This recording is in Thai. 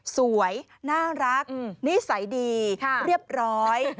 สวยน่ารักนิสัยดีเรียบร้อย